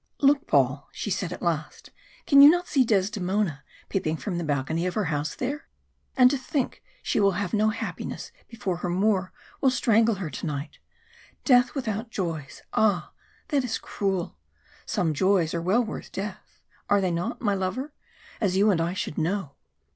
"Look, Paul!" she said at last. "Can you not see Desdemona peeping from the balcony of her house there? And to think she will have no happiness before her Moor will strangle her to night! Death without joys. Ah! that is cruel. Some joys are well worth death, are they not, my lover, as you and I should know?"